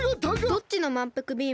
どっちのまんぷくビームですか？